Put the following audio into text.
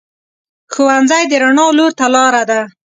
ښوونځی د رڼا لور ته لار ده